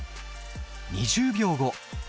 ２０秒後。